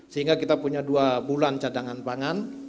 sehingga kita punya dua bulan cadangan pangan